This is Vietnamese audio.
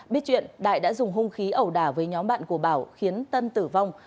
biết chuyện đại đã dùng hung khí ẩu đả với nhóm bạn của bảo khiến tân tử vong